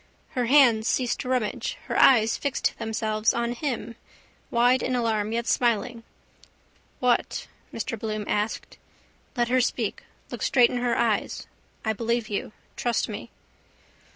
Her hand ceased to rummage. Her eyes fixed themselves on him, wide in alarm, yet smiling. —What? Mr Bloom asked. Let her speak. Look straight in her eyes. I believe you. Trust me.